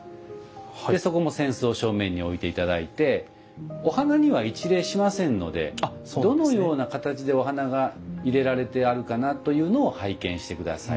でそこも扇子を正面に置いて頂いてお花には一礼しませんのでどのような形でお花が入れられてあるかなというのを拝見して下さい。